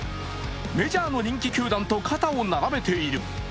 メジャーの人気球団と肩を並べている。